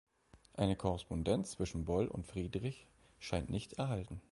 Eine Korrespondenz zwischen Boll und Friedrich scheint nicht erhalten.